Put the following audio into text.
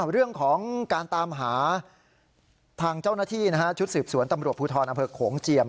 เรื่องของการตามหาทางเจ้าหน้าที่ชุดสืบสวนตำรวจภูทรอำเภอโขงเจียม